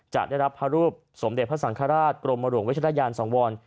จะได้รับพระรูปสมเด็จพระสังฆราชกรมหลวงวัชรยานสังวร